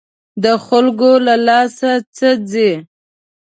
د خلکو له لاسه څه ځي.